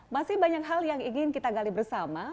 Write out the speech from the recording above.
masih banyak hal yang ingin kita gali bersama